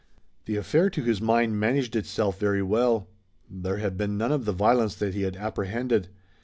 The affair to his mind managed itself very well. There had been none of the violence that he had apprehended.